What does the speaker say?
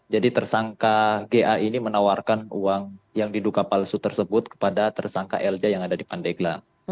jadi tersangka ga ini menawarkan uang yang diduga palsu tersebut kepada tersangka lj yang ada di pandeglang